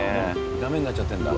ダメになっちゃってるんだ。